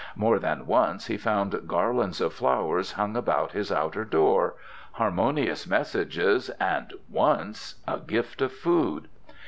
More than once he found garlands of flowers hung upon his outer door, harmonious messages, and once a gift of food.